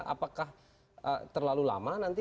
apakah terlalu lama nanti